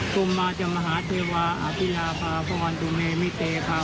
สวัสดีครับสวัสดีครับสวัสดีครับ